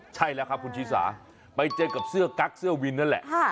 ใช่แล้วครับคุณชิสาไปเจอกับเสื้อกั๊กเสื้อวินนั่นแหละ